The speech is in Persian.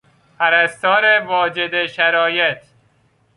پرستار واجد شرایط